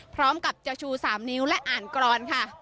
พร้อมกับจะชู๓นิ้วและอ่านกรอนค่ะ